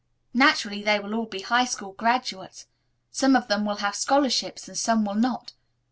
Naturally, they will all be high school graduates. Some of them will have scholarships and some will not.